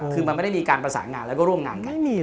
คือมันไม่ได้มีการประสานงานแล้วก็ร่วมงานกัน